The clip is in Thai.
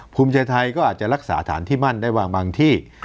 ภูมิใจไทยก็อาจจะรักษาฐานที่มั่นได้วางบางที่